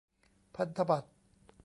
พันธบัตร